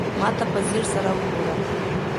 ما ته په ځير سره وگوره.